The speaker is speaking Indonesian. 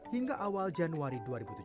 hingga awal januari dua ribu tujuh belas